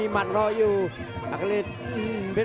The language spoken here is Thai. ชาเลน์